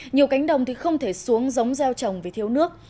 nhiều cánh đồng thì không thể xuống giống gieo trồng vì thiếu nước